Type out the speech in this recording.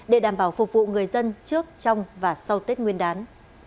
để đảm bảo phục vụ người dân trước trong và sau tết nguyên đán